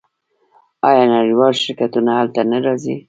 آیا نړیوال شرکتونه هلته نه راځي؟